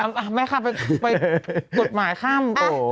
เอาไม่พักไปตรวจหมายข้าม